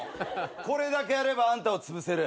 これだけあればあんたをつぶせる。